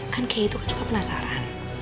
kan kayak itu kan juga penasaran